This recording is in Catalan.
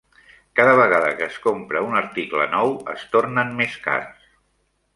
Cada vegada que es compra un article nou es tornen més cars.